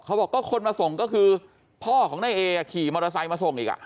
เขาบอกก็คนมาส่งก็คือพ่อของนายเอขี่มอเตอร์ไซค์มาส่งอีก